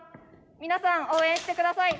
皆さん応援してください。